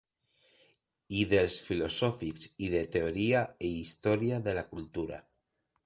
I dels filosòfics i de teoria i història de la cultura.